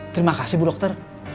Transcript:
terima kasih bu dokter